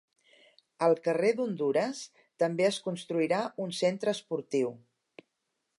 Al carrer d'Hondures també es construirà un centre esportiu.